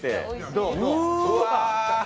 どう？